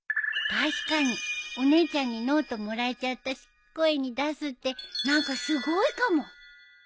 確かにお姉ちゃんにノートもらえちゃったし声に出すって何かすごいかも。